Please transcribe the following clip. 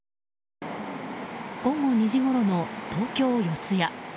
午後２時ごろの東京・四谷。